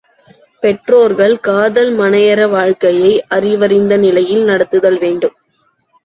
பெற்றோர்கள் காதல் மனையற வாழ்க்கையை அறிவறிந்த நிலையில் நடத்துதல் வேண்டும்.